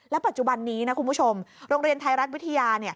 ปัจจุบันนี้นะคุณผู้ชมโรงเรียนไทยรัฐวิทยา